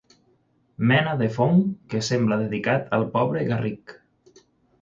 Mena de fong que sembla dedicat al pobre Garrick.